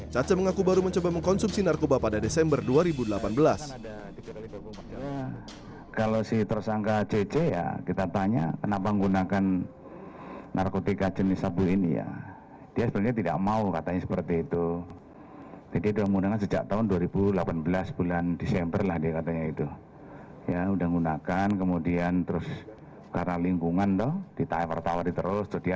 caca mengaku baru mencoba mengkonsumsi narkoba pada desember dua ribu delapan belas